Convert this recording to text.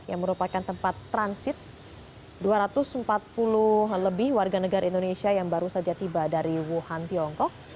yang merupakan tempat transit dua ratus empat puluh lebih warga negara indonesia yang baru saja tiba dari wuhan tiongkok